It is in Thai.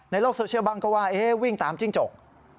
โลกโซเชียลบ้างก็ว่าวิ่งตามจิ้งจก